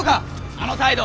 あの態度。